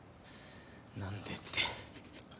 何でって。